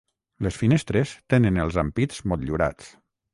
Les finestres tenen els ampits motllurats.